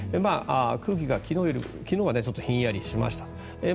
空気が昨日はちょっとひんやりしました。